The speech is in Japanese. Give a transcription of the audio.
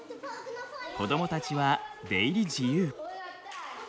子どもたちは出入り自由。